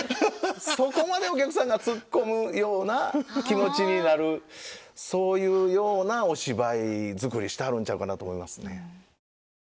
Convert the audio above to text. そこまでお客さんがツッコむような気持ちになるそういうようなお芝居作りしてはるんちゃうかなと思いますね。